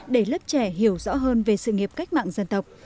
để lớp trẻ hiểu rõ hơn về sự nghiệp cách mạng dân tộc